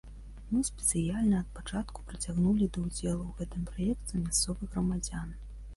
Мы спецыяльна ад пачатку прыцягнулі да ўдзелу ў гэтым праекце мясцовых грамадзян.